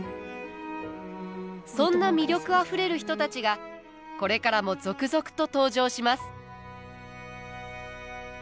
そんな魅力あふれる人たちがこれからも続々と登場します。